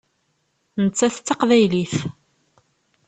Nettat d Taqbaylit.